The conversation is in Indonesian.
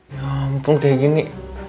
ya ampun kayak gini